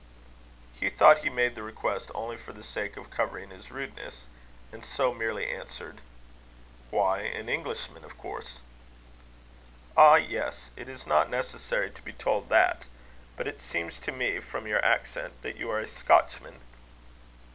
Hugh thought he made the request only for the sake of covering his rudeness; and so merely answered: "Why, an Englishman, of course." "Ah! yes; it is not necessary to be told that. But it seems to me, from your accent, that you are a Scotchman."